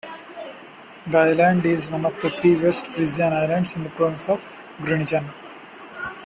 The island is one of three West Frisian Islands in the province of Groningen.